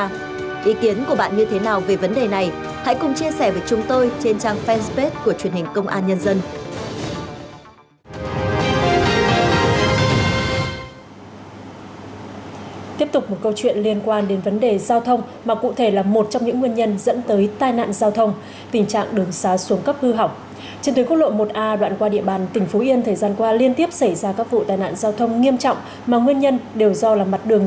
ý kiến của bạn như thế nào về vấn đề này hãy cùng chia sẻ với chúng tôi trên trang fan space của truyền hình công an nhân dân